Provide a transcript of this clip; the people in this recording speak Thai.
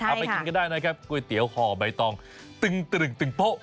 ไปกินก็ได้นะครับก๋วยเตี๋ยวห่อใบตองตึงตึงโป๊ะ